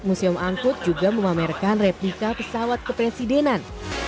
museum angkut juga memamerkan replika pesawat kepresidenan